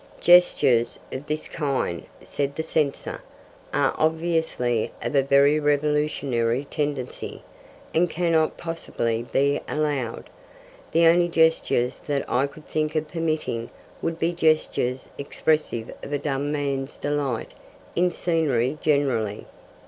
'Gestures of this kind,' said the censor, 'are obviously of a very revolutionary tendency, and cannot possibly be allowed. The only gestures that I could think of permitting would be gestures expressive of a dumb man's delight in scenery generally.'